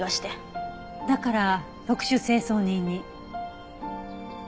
だから特殊清掃人に？